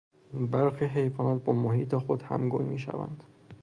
برخی حیوانات با محیط خود همگون میشوند.